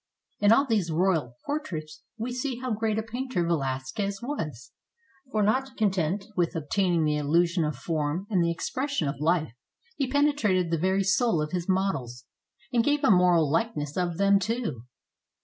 In all these royal portraits we see how great a painter Velasquez was; for, not content with obtaining the illusion of form and the expression of life, he penetrated the very soul of his models, and gave a moral Ukeness of them too.